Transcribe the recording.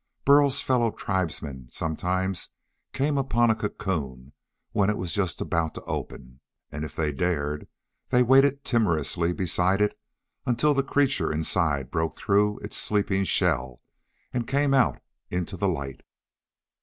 Burl's fellow tribesmen sometimes came upon a cocoon when it was just about to open, and if they dared they waited timorously beside it until the creature inside broke through its sleeping shell and came out into the light.